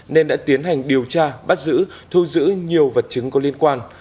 nên đã tiến hành điều tra bắt giữ thu giữ nhiều vật chứng có liên quan